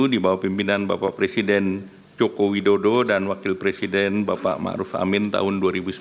di bawah pimpinan bapak presiden joko widodo dan wakil presiden bapak ma ruf amin tahun dua ribu dua puluh